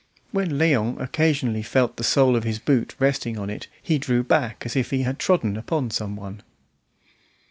When Léon occasionally felt the sole of his boot resting on it, he drew back as if he had trodden upon some one.